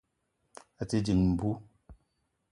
À te dìng mbú